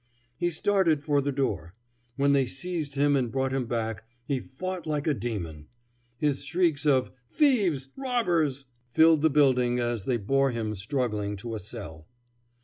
He started for the door. When they seized him and brought him back, he fought like a demon. His shrieks of "Thieves! robbers!" filled the building as they bore him struggling to a cell.